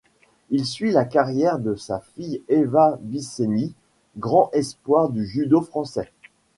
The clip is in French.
Il suit la carrière de sa fille Éva Bisseni, grand espoir du judo français.